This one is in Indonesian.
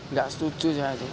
nggak setuju jadi